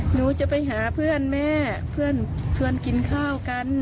หนูจะไปหาเพื่อนแม่เพื่อนชวนกินข้าวกัน